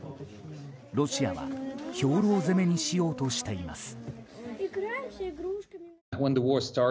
ロシアは兵糧攻めにしようとしています。